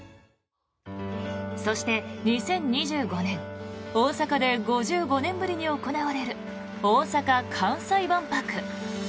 そして、２０２５年大阪で５５年ぶりに行われる大阪・関西万博。